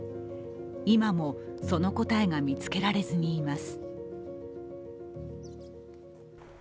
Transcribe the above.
今もその答えが見つけられずにいます。